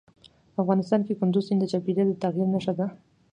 افغانستان کې کندز سیند د چاپېریال د تغیر نښه ده.